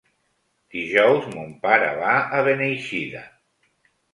Dijous mon pare va a Beneixida.